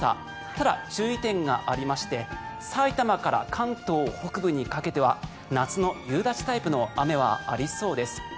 ただ、注意点がありまして埼玉から関東北部にかけては夏の夕立タイプの雨はありそうです。